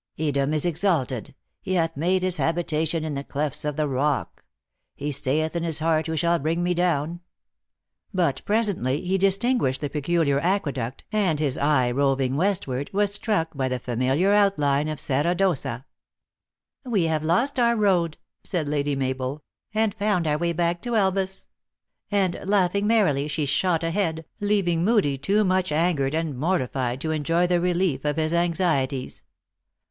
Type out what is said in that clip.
" Edom is exalted. He hath made his habitation in the clefts of the rock. He 252 THE ACTRESS IN HIGH LIFE. sayeth in his heart, who shall bring me down ?" But presently he distinguished the peculiar aqueduct, and his eye roving westward, was struck by the familiar outline of Serra jyOssa. " We have lost our road," said Lady Mabel, " and found our way back to Elvas ;" and, laughing merrily, she shot ahead, leaving Moodie too much angered and mortified to enjoy the relief of his anxieties.